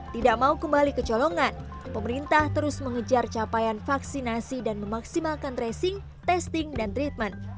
tidak mau kembali kecolongan pemerintah terus mengejar capaian vaksinasi dan memaksimalkan tracing testing dan treatment